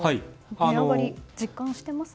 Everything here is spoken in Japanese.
値上がり、実感してますか。